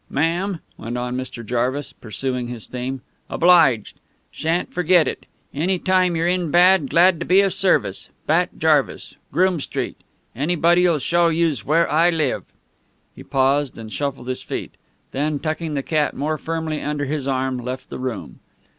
"Ma'am," went on Mr. Jarvis, pursuing his theme, "obliged. Sha'n't fergit it. Any time you're in bad, glad to be of service. Bat Jarvis. Groome Street. Anybody'll show youse where I live." He paused, and shuffled his feet; then, tucking the cat more firmly under his arm, left the room.